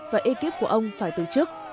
và ekip của ông phải từ chức